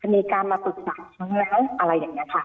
มีการมาตุกษัตริย์เยอะอะไรอย่างนี้ค่ะ